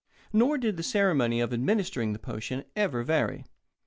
Nor did the ceremony of administering the potion ever vary.